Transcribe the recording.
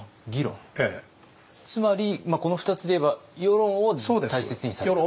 つまりこの２つで言えば輿論を大切にされた。